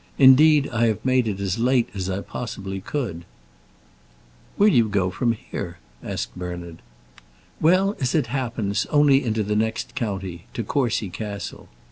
Indeed, I have made it as late as I possibly could." "Where do you go from here?" asked Bernard. "Well, as it happens, only into the next county, to Courcy Castle."